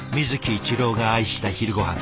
一郎が愛した昼ごはん。